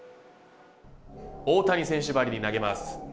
大谷選手ばりに投げます。